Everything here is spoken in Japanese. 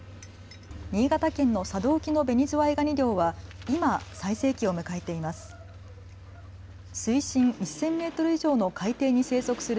新潟県の佐渡沖のベニズワイガニ漁は今、最盛期を迎えています。